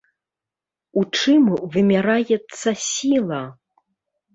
У чым вымяраецца сіла?